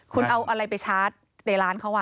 คุณเอาอะไรไปชาร์จในร้านเขา